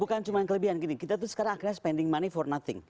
bukan cuma kelebihan gini kita tuh sekarang akhirnya spending money for nothing